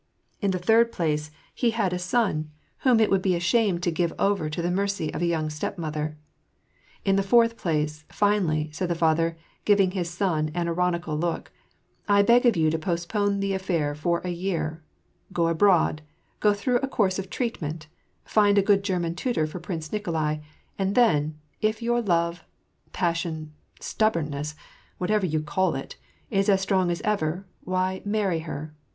In the third place, he had 228 WAR AND PEACE. a son, whom it would be a shame to give over to the mercy of a young stepmother. " In the fourth place, finally," said the father, giving his son an ironical look, " I beg of you to post pone the affair for a year, go abroad, go through a course of treatment, find a good German tutor for Prince Nikolai ; and then, if your love, passion, stubbornness, whatever you <»11 it, is as strong as ever, — why, marry her.